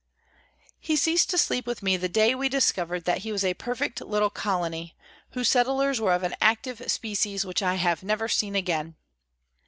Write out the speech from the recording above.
He ceased to sleep with me the day we discovered that he was a perfect little colony, whose settlers were of an active species which I have never seen again.